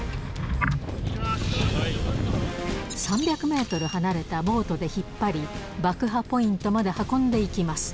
３００メートル離れたボートで引っ張り、爆破ポイントまで運んでいきます。